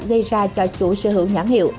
gây ra cho chủ sở hữu nhãn hiệu